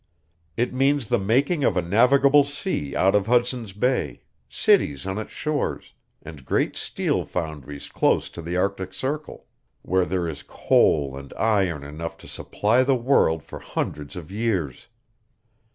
It means the making of a navigable sea out of Hudson's Bay, cities on its shores, and great steel foundries close to the Arctic Circle where there is coal and iron enough to supply the world for hundreds of years.